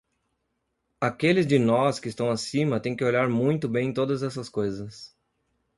Aqueles de nós que estão acima têm que olhar muito bem todas essas coisas.